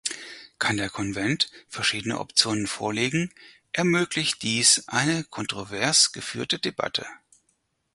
Kann der Konvent verschiedene Optionen vorlegen, ermöglicht dies eine kontrovers geführte Debatte.